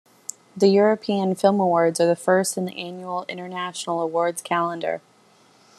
The European Film Awards are the first in the annual international awards calendar.